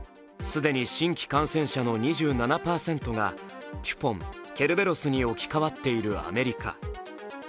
既に新規感染者の２７％がテュポン、ケルベロスに置き換わっているアメリカ。